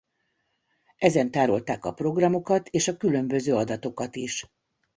Ezen tárolták a programokat és a különböző adatokat is.